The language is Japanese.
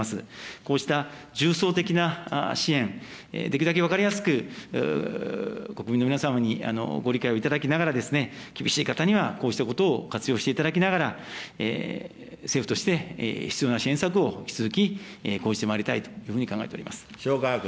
こうした重層的な支援、できるだけ分かりやすく国民の皆様にご理解を頂きながら、厳しい方にはこうしたことを活用していただきながら、政府として必要な支援策を引き続き講じてまいりたいというふうに塩川君。